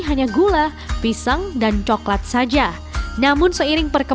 sebuah hotel berpintang di jalan basuki rahmat surabaya